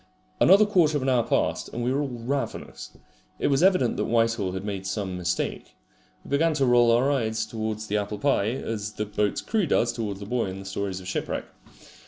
Another quarter of an hour passed, and we were all ravenous. It was evident that Whitehall had made some mistake. We began to roll our eyes towards the apple pie, as the boat's crew does towards the boy in the stories of shipwreck.